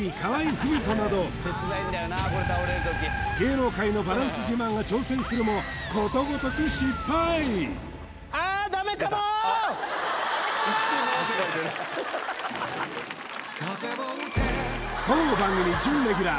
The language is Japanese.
郁人など芸能界のバランス自慢が挑戦するもことごとく失敗当番組準レギュラー